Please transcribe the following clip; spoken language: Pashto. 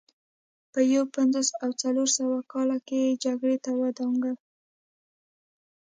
په یو پنځوس او څلور سوه کال کې یې جګړې ته ودانګل